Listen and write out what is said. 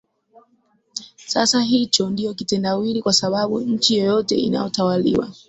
sasa hicho ndio kitendawili kwa sababu nchi yeyote inayotawaliwa